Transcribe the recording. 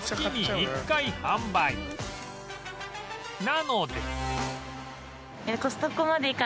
なので